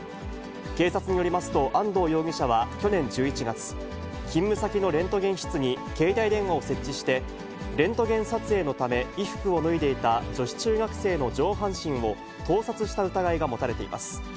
警察によりますと、安藤容疑者は去年１１月、勤務先のレントゲン室に携帯電話を設置して、レントゲン撮影のため衣服を脱いでいた女子中学生の上半身を盗撮した疑いが持たれています。